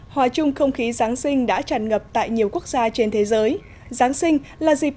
hòa chung không khí giáng sinh đã tràn ngập tại nhiều quốc gia trên thế giới giáng sinh là dịp